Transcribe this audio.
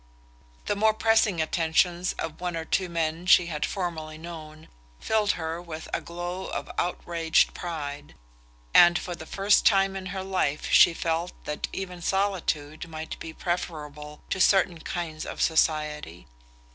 The more pressing attentions of one or two men she had formerly known filled her with a glow of outraged pride, and for the first time in her life she felt that even solitude might be preferable to certain kinds of society.